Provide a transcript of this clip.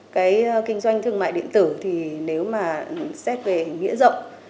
cái kinh doanh thương mại điện tử thì nếu mà xét về nghĩa rộng